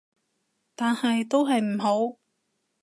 但係都係唔好